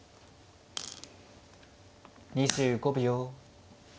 ２５秒。